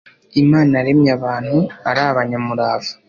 imana yaremye abantu ari abanyamurava